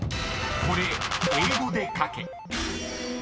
［これ英語で書け］